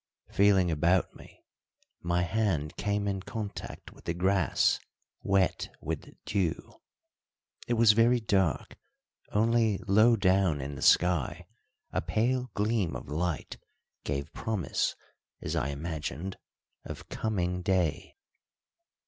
Feeling about me, my hand came in contact with the grass wet with dew. It was very dark, only low down in the sky a pale gleam of light gave promise, as I imagined, of coming day.